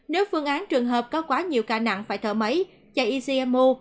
nếu phương án trường hợp có quá nhiều ca nặng phải thở máy chạy ecmo